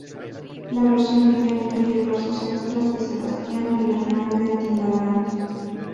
La versión video, incluye versos extras de Sebastian, el hermano de Timbaland.